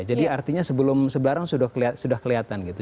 jadi artinya sebelum sebarang sudah kelihatan gitu